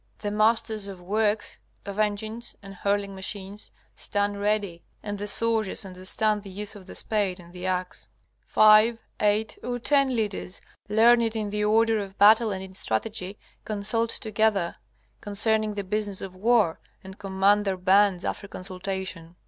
The masters of works, of engines and hurling machines, stand ready, and the soldiers understand the use of the spade and the axe. Five, eight, or ten leaders learned in the order of battle and in strategy consult together concerning the business of war, and command their bands after consultation.